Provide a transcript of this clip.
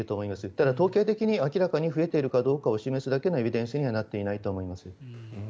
ただ、統計的に明らかに増えているかどうかを示すだけのエビデンスにはなっていないと思います。